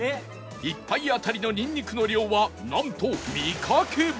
１杯当たりのニンニクの量はなんと３かけ分